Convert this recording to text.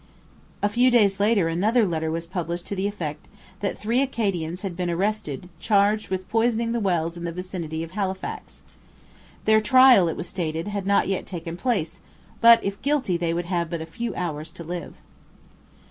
A few days later another letter was published to the effect that three Acadians had been arrested charged with poisoning the wells in the vicinity of Halifax. Their trial, it was stated, had not yet taken place; but if guilty they would have but a few hours to live.